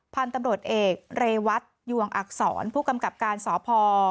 พันธุ์ตำรวจเอกเรวัตยวงอักษรผู้กำกับการสพ